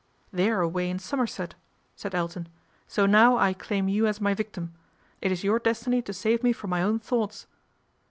' They're away in Somerset," said Elton, " so now I claim you as my victim. It is your destiny to save me from my own thoughts."